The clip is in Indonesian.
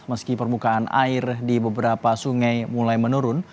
meski permukaan air di beberapa sungai mulai menurun